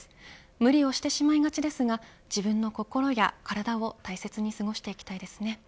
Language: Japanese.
無理をしてしまいがちですが自分の心や体を大切に過ごしていきたいですね。